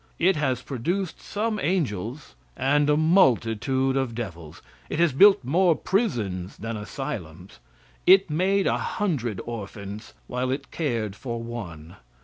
It has produced some angels and a multitude of devils. It has built more prisons than asylums. It made a hundred orphans while it cared for one.